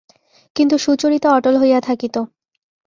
কিন্তু সুচরিতা অটল হইয়া থাকিত।